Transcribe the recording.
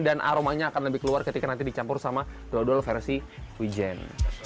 dan aromanya akan lebih keluar ketika nanti dicampur sama dodol versi wijen